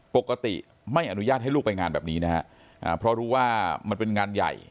ปกติไม่อนุญาตให้ลูกไปงานแบบนี้นะฮะเพราะรู้ว่ามันเป็นงานใหญ่